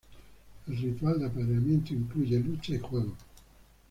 El ritual de apareamiento incluye lucha, y juegos.